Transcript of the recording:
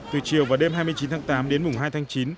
từ chiều và đêm hai mươi chín tháng tám đến mùng hai tháng chín